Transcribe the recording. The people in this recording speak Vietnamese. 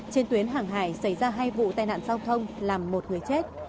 trên tuyến hàng hải xảy ra hai vụ tai nạn giao thông làm một người chết